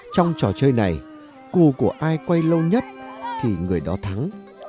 trong trò chơi này cụ của ai quay lâu nhất thì người đó thắng